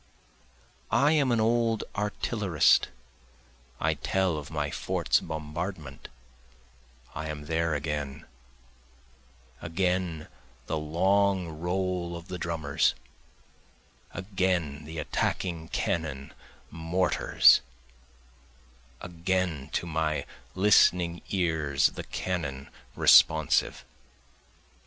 I am an old artillerist, I tell of my fort's bombardment, I am there again. Again the long roll of the drummers, Again the attacking cannon, mortars, Again to my listening ears the cannon responsive.